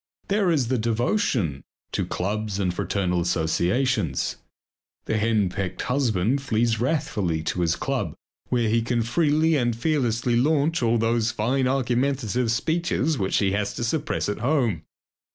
There is the devotion to clubs and fraternal associations. The henpecked husband flees wrathfully to his club where he can freely and fearlessly launch all those fine argumentative speeches which he has to suppress at home.